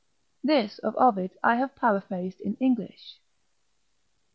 (This of Ovid I have paraphrased in English.)